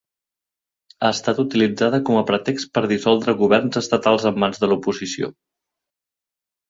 Ha estat utilitzada com a pretext per dissoldre governs estatals en mans de l’oposició.